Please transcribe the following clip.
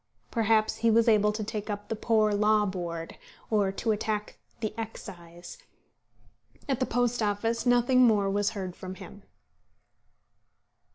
Perhaps he was able to take up the Poor Law Board, or to attack the Excise. At the Post Office nothing more was heard from him.